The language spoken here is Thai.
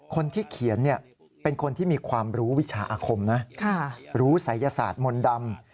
คนที่เขียนเป็นคนที่มีความรู้วิชาอาคมนะรู้ศัยศาสตร์มนต์ดำ